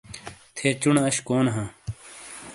تھے چُونے اَش کونے ہاں؟